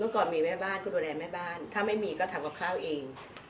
ก่อนมีแม่บ้านคุณดูแลแม่บ้านถ้าไม่มีก็ทำกับข้าวเอง